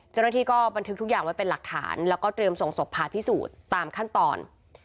เจ้าหน้าที่ก็บันทึกทุกอย่างไว้เป็นหลักฐานแล้วก็เตรียมส่งศพผ่าพิสูจน์ตามขั้นตอน